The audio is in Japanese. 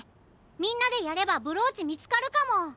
みんなでやればブローチみつかるかも！